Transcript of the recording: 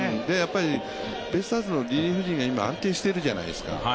ベイスターズのリリーフ陣が今、安定しているじゃないですか。